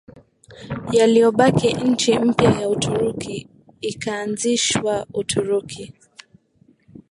yaliyobaki nchi mpya ya Uturuki ikaanzishwa Uturuki